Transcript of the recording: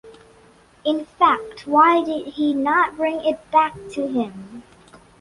In fact, why did he not bring it back to him?